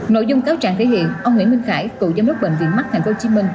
nội dung cáo trạng thể hiện ông nguyễn minh khải cựu giám đốc bệnh viện mắc tp hcm